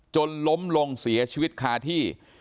จนล้มลงเสียชีวิตคาที่